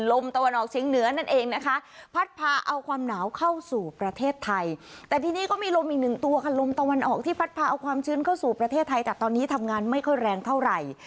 ลมตะวันออกเชียงเหนือนั่นเองนะคะพัดพาเอาความหนาวเข้าสู่ประเทศไทยแต่ทีนี้ก็มีลมอีกหนึ่งตัวค่ะลมตะวันออกที่พัดพาเอาความชื้นเข้าสู่ประเทศไทยแต่ตอนนี้ทำงานไม่ค่อยแรงเท่าไหร่